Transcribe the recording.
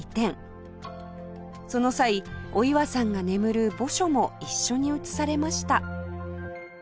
その際お岩さんが眠る墓所も一緒に移されました